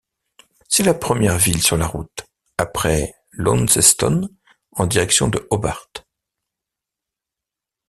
C'est la première ville sur la route après Launceston en direction de Hobart.